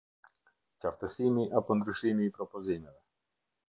Qartësimi apo ndryshimi i propozimeve.